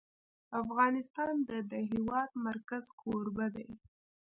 افغانستان د د هېواد مرکز کوربه دی.